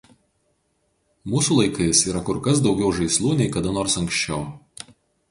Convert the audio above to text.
Mūsų laikais yra kur kas daugiau žaislų nei kada nors anksčiau.